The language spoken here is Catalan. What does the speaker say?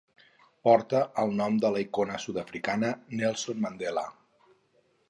Porta el nom de la icona sud-africana Nelson Mandela.